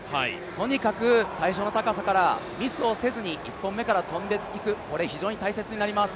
とにかく最初の高さからミスをせずに１本目から跳んでいく、これ、非常に大切になります。